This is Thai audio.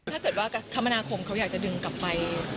ถ้าเกิดว่าคมนาคมเขาอยากจะดึงกลับไป